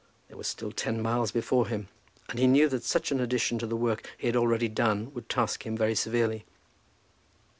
There were still ten miles before him, and he knew that such an addition to the work he had already done would task him very severely.